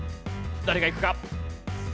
誰がいくか？